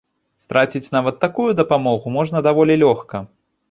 Страціць нават такую дапамогу можна даволі лёгка.